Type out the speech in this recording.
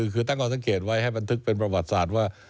คือตั้งข้อสังเกตไว้ให้บันทึกเป็นประวัติศาสตร์ว่า